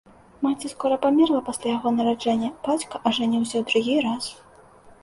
Маці скора памерла пасля яго нараджэння, бацька ажаніўся ў другі раз.